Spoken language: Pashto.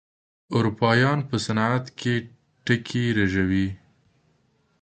اروپايان په صنعت کې ټکي رژوي.